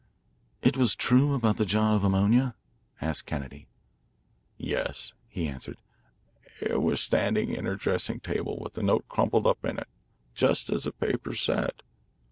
"It was true about the jar of ammonia?" asked Kennedy. "Yes," he answered. "It was standing on her dressing table with the note crumpled up in it, just as the papers said."